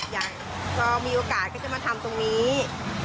อย่างเรามีโอกาสก็จะมาทำตรงนี้